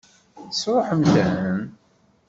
Tesṛuḥemt-ten?